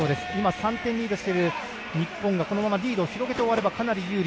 ３点リードしている日本がこのままリードを広げて終われば、かなり有利。